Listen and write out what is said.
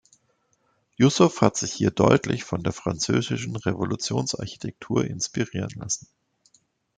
Jussow hat sich hier deutlich von der französischen Revolutionsarchitektur inspirieren lassen.